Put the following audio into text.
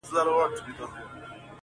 بس ده ژړا مه كوه مړ به مي كړې.